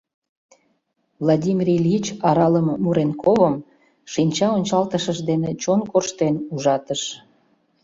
Владимир Ильич аралыме Муренковым шинча ончалтышыж дене чон корштен ужатыш.